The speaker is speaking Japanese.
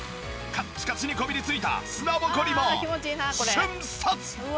カッチカチにこびりついた砂ぼこりも瞬殺！